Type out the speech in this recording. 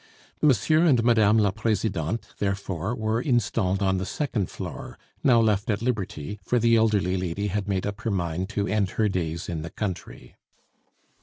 M. and Mme. la Presidente, therefore, were installed on the second floor, now left at liberty, for the elderly lady had made up her mind to end her days in the country.